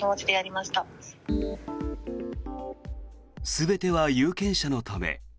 全ては有権者のため。